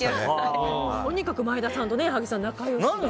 とにかく前田さんと仲良しで。